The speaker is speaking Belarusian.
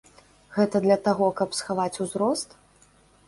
Гэта для таго, каб схаваць узрост?